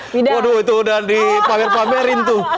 waduh itu udah dipamer pamerin tuh